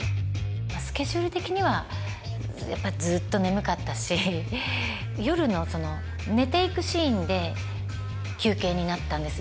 スケジュール的にはやっぱりずっと眠かったし夜の寝ていくシーンで休憩になったんです